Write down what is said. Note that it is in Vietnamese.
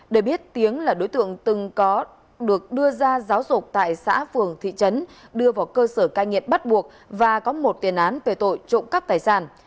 để biết tiếng là đối tượng từng được đưa ra giáo dục tại xã phường thị trấn đưa vào cơ sở cai nghiện bắt buộc và có một tiền án về tội trộm cắp tài sản